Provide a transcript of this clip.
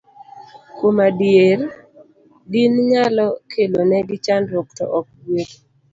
Kuom adier, din nyalo kelonegi chandruok, to ok gweth